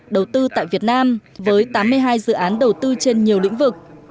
đầu tư tại việt nam với tám mươi hai dự án đầu tư trên nhiều lĩnh vực